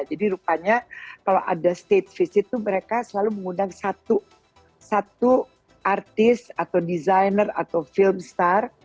jadi rupanya kalau ada states visit itu mereka selalu mengundang satu artis atau desainer atau film star